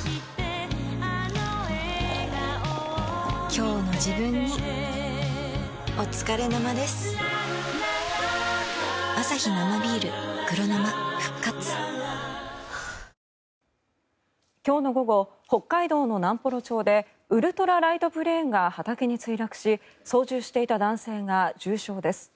今日の午後北海道の南幌町でウルトラライトプレーンが畑に墜落し操縦していた男性が重傷です。